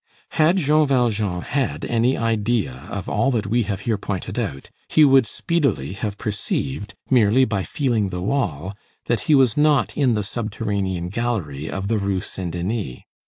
Had Jean Valjean had any idea of all that we have here pointed out, he would speedily have perceived, merely by feeling the wall, that he was not in the subterranean gallery of the Rue Saint Denis.